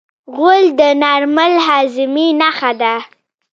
غول د نارمل هاضمې نښه ده.